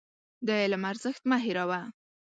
د علم ارزښت مه هېروه.